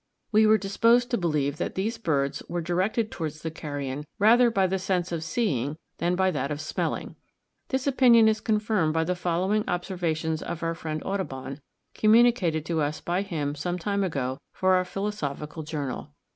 We were disposed to believe that these birds were directed towards the carrion rather by the sense of seeing than by that of smelling. This opinion is confirmed by the following observations of our friend Audubon, communicated to us by him some time ago for our Philosophical Journal."